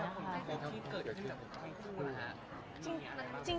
แล้วคุณคิดเกิดอีกอย่างของคุณคุณค่ะ